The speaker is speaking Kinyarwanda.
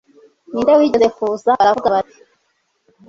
ninde wigeze kuza, baravuga bati